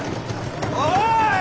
おい！